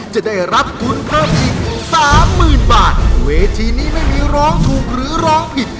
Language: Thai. จะได้รับทุนเพิ่มอีกสามหมื่นบาทเวทีนี้ไม่มีร้องถูกหรือร้องผิด